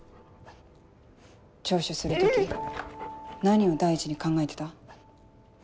聴取する時何を第一に考えてた？